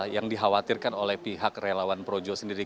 yang dikhawatirkan oleh pihak relawan projo sendiri